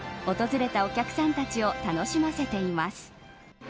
訪れたお客さんたちを楽しませています。